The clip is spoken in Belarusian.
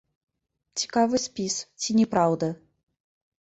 Цікавы спіс, ці не праўда?